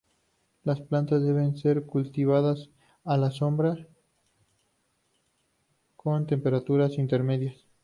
Las plantas deben ser cultivadas a la sombra, con temperaturas intermedias.